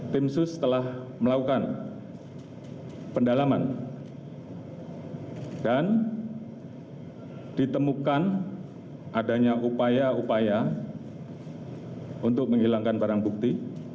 tim sus telah melakukan pendalaman dan ditemukan adanya upaya upaya untuk menghilangkan barang bukti